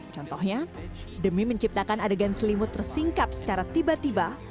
contohnya demi menciptakan adegan selimut tersingkap secara tiba tiba